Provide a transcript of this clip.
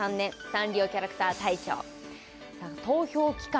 サンリオキャラクター大賞さあ投票期間